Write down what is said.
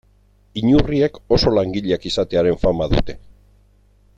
Inurriek oso langileak izatearen fama dute.